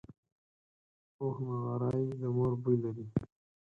پوخ نغری د مور بوی لري